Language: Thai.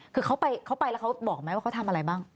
คือเขาไปแล้วเขาบอกไหมว่าเขาทำอะไรบ้าง